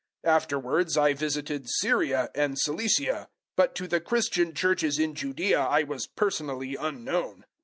001:021 Afterwards I visited Syria and Cilicia. 001:022 But to the Christian Churches in Judaea I was personally unknown.